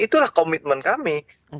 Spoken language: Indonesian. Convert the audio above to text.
itulah komitmen kami